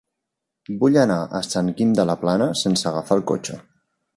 Vull anar a Sant Guim de la Plana sense agafar el cotxe.